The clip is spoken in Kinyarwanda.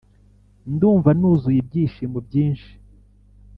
ndumva nuzuye ibyishimo byinshi.